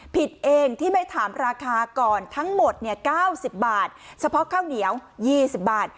ผิดเองที่ไม่ถามราคาก่อนทั้งหมด๙๐บาทเฉพาะข้าวเหนียว๒๐บาท